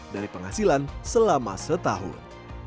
dari penghasilan selama setahun